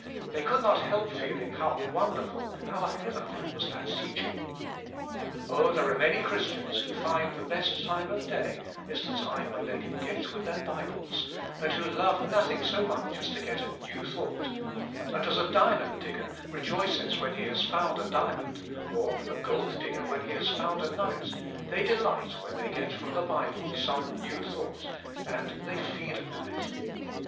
They could not help feeling, 30 JtsuB Himself » 1)ow wonDertuU how heavenly was that teaching. Oh! there are many Christians who find the best time of the day is the time when they can get with their Bibles, and who love nothing so much as to get a new thought; and as a diamond digger re joices when he has found a diamond, or a gold digger when he has found a nugget, they delight when they get from the Bible some new thought, and they feed upon it.